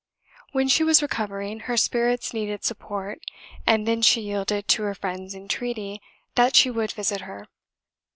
When she was recovering, her spirits needed support, and then she yielded to her friend's entreaty that she would visit her.